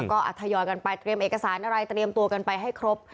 ก็ทยอยกันไปเตรียมเอกสารอะไรเตรียมตัวกันไปให้ครบ